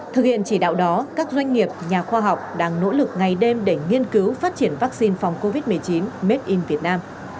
thực hiện chỉ đạo đó các doanh nghiệp nhà khoa học đang nỗ lực ngày đêm để nghiên cứu phát triển vaccine phòng covid một mươi chín made in vietnam